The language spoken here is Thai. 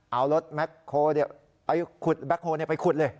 เอารถแมทโคโลไปขุดแบคโคลนไปขุดเลย